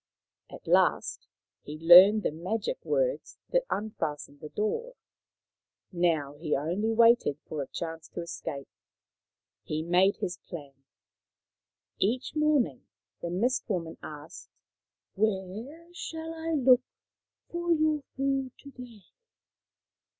At last he learned the magic words that un fastened the door. Now he only waited for a chance to escape. He made his plan. Each morning the Mist woman asked, " Where shall I look for your food to day